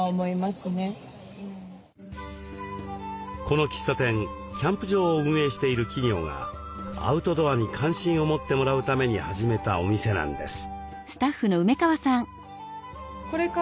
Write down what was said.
この喫茶店キャンプ場を運営している企業がアウトドアに関心を持ってもらうために始めたお店なんです。